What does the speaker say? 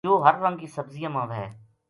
یوہ ہر رنگ کی سبزیاں ما وھے